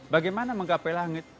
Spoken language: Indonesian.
bagaimana menggapai langit